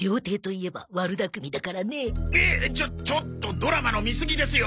えっちょちょっとドラマの見すぎですよ！